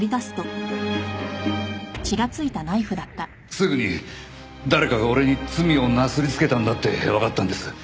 すぐに誰かが俺に罪をなすりつけたんだってわかったんです。